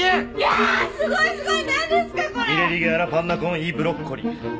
ミレリーゲ・アラ・パンナ・コン・イ・ブロッコリ。